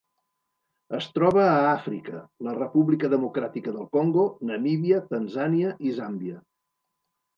Es troba a Àfrica: la República Democràtica del Congo, Namíbia, Tanzània i Zàmbia.